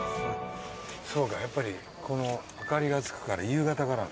そうかやっぱりこの明かりがつくから夕方からなんですね